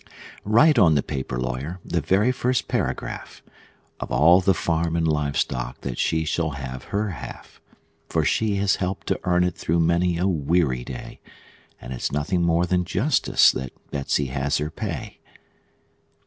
Write on the paper, lawyer the very first paragraph Of all the farm and live stock that she shall have her half; For she has helped to earn it, through many a weary day, And it's nothing more than justice that Betsey has her pay.